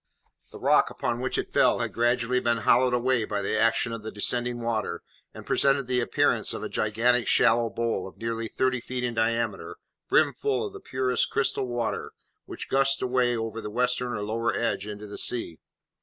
The rock upon which it fell had gradually been hollowed away by the action of the descending water, and presented the appearance of a gigantic shallow bowl, of nearly thirty feet in diameter, brim full of the purest crystal water, which gushed away over the western or lower edge into the sea.